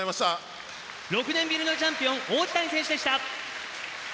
６年ぶりのチャンピオン王子谷選手でした。